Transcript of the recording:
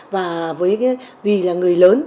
và vì là người lớn